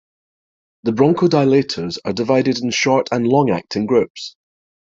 The bronchodilators are divided in short- and long-acting groups.